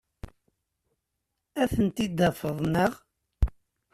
Ad tent-id-tafeḍ, naɣ?